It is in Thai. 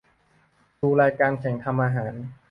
ดูรายการแข่งทำอาหาร